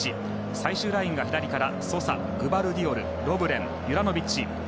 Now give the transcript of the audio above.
最終ラインが左からソサ、グバルディオルロブレン、ユラノビッチ。